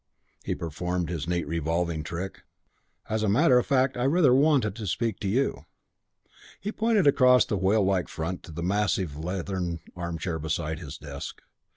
He performed his neat revolving trick. "As a matter of fact, I rather wanted to speak to you." He pointed across the whale like front to the massive leathern armchair beside his desk.